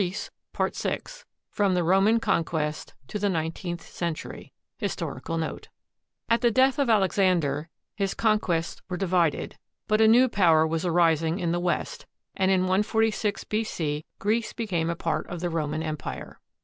I p f VI FROM THE ROMAN CONOUEST TO THE NINETEENTH CENTURY k HISTORICAL NOTE At the death of Alexander, his conquests were divided; but a new power was arising in the West, and in 146 B.C. Greece became a part of the Roman Empire.